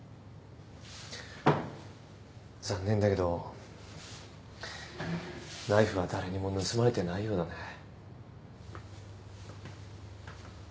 残念だけどナイフは誰にも盗まれてないようだね。